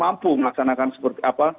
mampu melaksanakan seperti apa